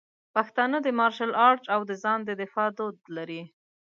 پښتانه د مارشل آرټ او د ځان د دفاع دود لري.